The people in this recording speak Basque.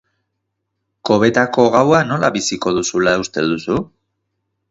Kobetako gaua nola biziko duzula uste duzu?